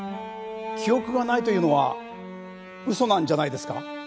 記憶がないというのは嘘なんじゃないですか？